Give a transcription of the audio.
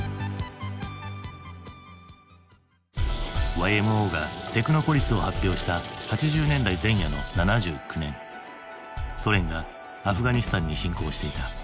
ＹＭＯが「テクノポリス」を発表した８０年代前夜の７９年ソ連がアフガニスタンに侵攻していた。